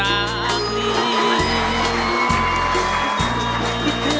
โอเดี๋ยวไปพร้อม